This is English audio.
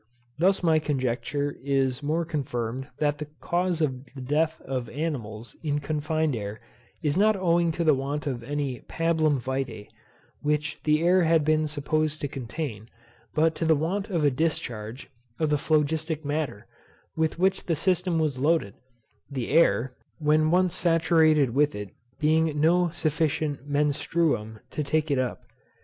Thus my conjecture is more confirmed, that the cause of the death of animals in confined air is not owing to the want of any pabulum vitæ, which the air had been supposed to contain, but to the want of a discharge of the phlogistic matter, with which the system was loaded; the air, when once saturated with it, being no sufficient menstruum to take it up.